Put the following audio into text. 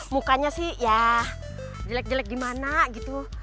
mukanya sih ya jelek jelek gimana gitu